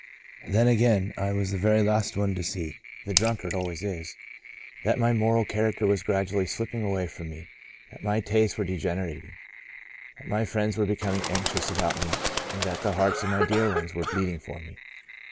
"Then again I was the very last one to see (the drunkard always is) that my moral character was gradually slipping away from me ; that my tastes were degenerating ; that my friends were becoming anxious about me and that the hearts of my dear ones were bleeding for me.